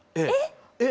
えっ！